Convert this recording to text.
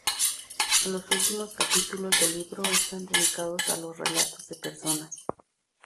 Los últimos capítulos del libro están dedicados a los relatos de personas.